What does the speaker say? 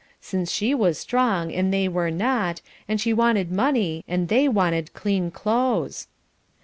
since she was strong and they were not, and she wanted money and they wanted clean clothes.